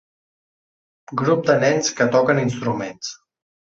Grup de nens que toquen instruments.